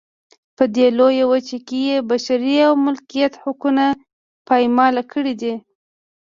په دې لویه وچه کې یې بشري او مالکیت حقونه پایمال کړي دي.